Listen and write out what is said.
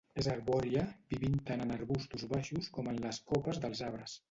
És arbòria, vivint tant en arbustos baixos com en les copes dels arbres.